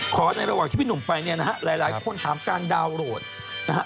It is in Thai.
ในระหว่างที่พี่หนุ่มไปเนี่ยนะฮะหลายคนถามการดาวน์โหลดนะฮะ